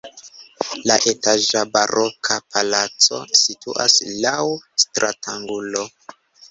La etaĝa baroka palaco situas laŭ stratangulo.